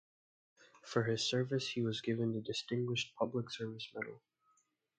For his service, he was given the Distinguished Public Service Medal.